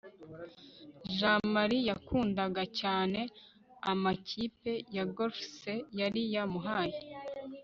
jamali yakundaga cyane amakipi ya golf se yari yamuhaye